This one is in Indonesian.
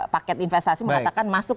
paket investasi mengatakan masuk